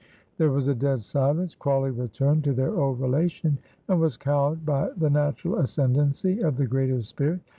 There was a dead silence! Crawley returned to their old relation, and was cowed by the natural ascendency of the greater spirit.